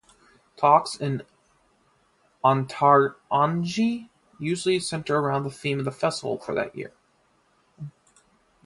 Talks in Antaragni usually center around the theme of the festival for that year.